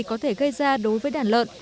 có thể gây ra đối với đàn lợn